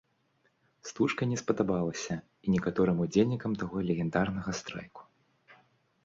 Стужка не спадабалася і некаторым удзельнікам таго легендарнага страйку.